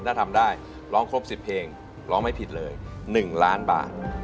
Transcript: ถ้าทำได้ร้องครบ๑๐เพลงร้องไม่ผิดเลย๑ล้านบาท